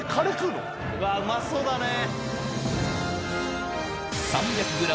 うわうまそうだね。